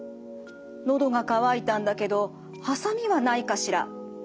「のどが渇いたんだけどハサミはないかしら？」と言います。